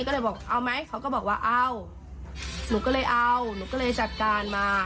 ก็เลยบอกเอาไหมเขาก็บอกว่าเอาหนูก็เลยเอาหนูก็เลยจัดการมา